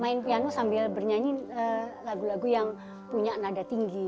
main pianu sambil bernyanyi lagu lagu yang punya nada tinggi